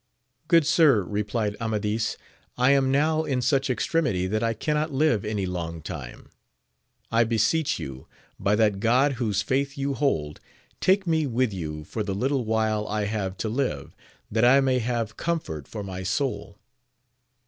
Grood sir, replied Amadis, I am now in such extremity that I cannot live any long time : I beseech you, by that God whose faith you hold, take me with you for the little while I have to live, that I may have comfort for my soul.